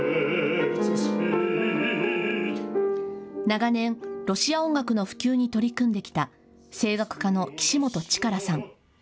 長年、ロシア音楽の普及に取り組んできた声楽家の岸本力さん。